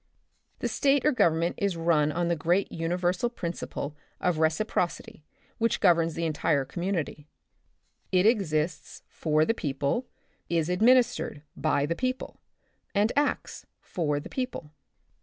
The state or Government is run on the great uni versal principle of reciprocity which governs the entire community. It exists for the people, is administered by the people, and acts for the people.